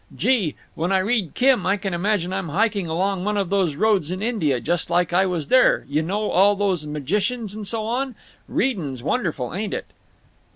Gee! when I read Kim I can imagine I'm hiking along one of those roads in India just like I was there—you know, all those magicians and so on…. Readin's wonderful, ain't it!"